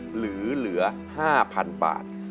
หรือเหลือห้าพันบาท